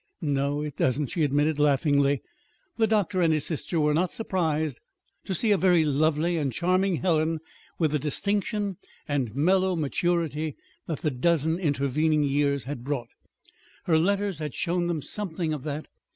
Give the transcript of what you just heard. "No, it doesn't," she admitted laughingly. The doctor and his sister were not surprised to see a very lovely and charming Helen with the distinction and mellow maturity that the dozen intervening years had brought. Her letters had shown them something of that.